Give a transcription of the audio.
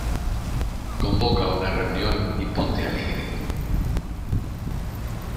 Convoca una reunión y ponte alegre.